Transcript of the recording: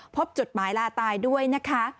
จดหมายลาตายด้วยนะคะ